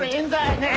ねえ。